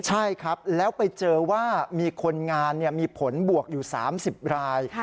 ใช่ครับแล้วไปเจอว่ามีคนงานมีผลบวกอยู่๓๐ราย